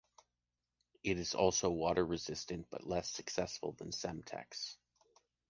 It is also water resistant, but less successfully than Semtex.